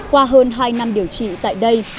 qua hơn hai năm điều trị tại đây